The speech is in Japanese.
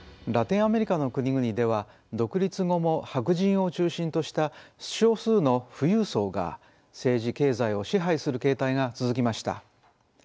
ラテンアメリカの国々では独立後も白人を中心とした少数の富裕層が政治経済を支配する形態が続きました。